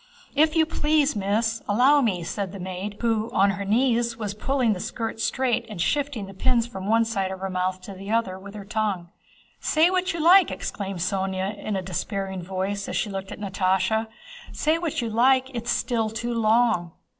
"If you please, Miss! allow me," said the maid, who on her knees was pulling the skirt straight and shifting the pins from one side of her mouth to the other with her tongue. "Say what you like," exclaimed Sónya, in a despairing voice as she looked at Natásha, "say what you like, it's still too long."